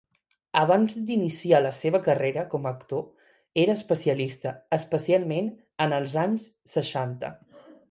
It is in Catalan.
Abans d'iniciar la seva carrera com a actor era especialista, especialment en els anys seixanta.